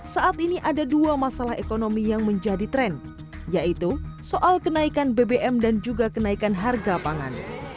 saat ini ada dua masalah ekonomi yang menjadi tren yaitu soal kenaikan bbm dan juga kenaikan harga pangan